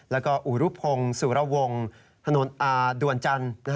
แล้วก็อุรุพงศ์สุรวงถนนด่วนจันทร์